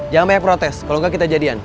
jangan banyak protes kalo engga kita jadian